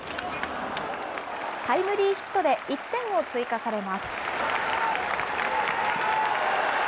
タイムリーヒットで１点を追加されます。